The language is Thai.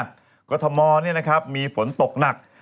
กรทมเนี่ยนะครับมีฝนตกหนัก